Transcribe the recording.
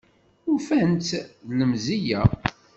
Ufan-tt d lemziyya